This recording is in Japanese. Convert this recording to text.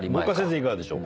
いかがでしょう？